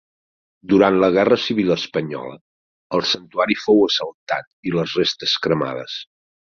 Durant la Guerra civil espanyola, el santuari fou assaltat i les restes cremades.